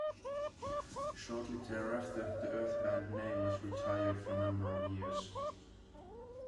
Shortly thereafter, the Earth Band name was retired for a number of years.